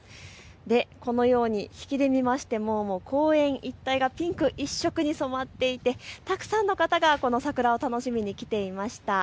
このように引きで見ましても公園一帯がピンク一色に染まっていてたくさんの方がこの桜を楽しみに来ていました。